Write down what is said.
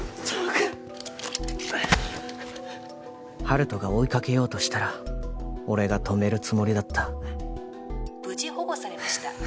温人が追いかけようとしたら俺が止めるつもりだった無事保護されました